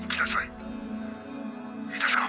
「いいですか？